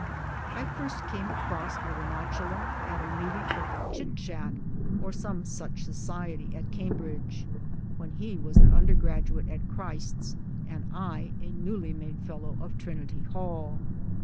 I first came across Arunachalam at a meeting of the Chitchat or some such society at Cambridge, when he was an undergraduate of Christ's and J a newly made Fellow of Trinity Hall.